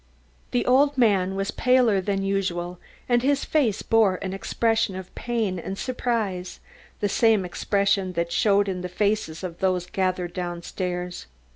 The old man was paler than usual and his face bore an expression of pain and surprise, the same expression that showed in the faces of those gathered downstairs.